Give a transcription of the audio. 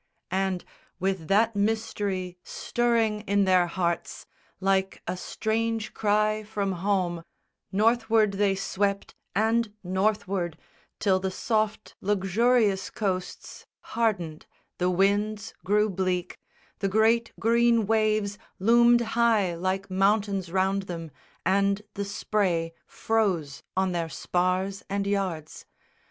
And, with that mystery stirring in their hearts Like a strange cry from home, Northward they swept And Northward, till the soft luxurious coasts Hardened, the winds grew bleak, the great green waves Loomed high like mountains round them, and the spray Froze on their spars and yards.